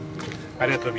ありがとう。